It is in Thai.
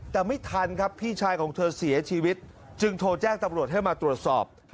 แต่ไม่ทันครับพี่ชายของเธอเสียชีวิตจึงโทรแจ้งตำรวจให้มาตรวจสอบ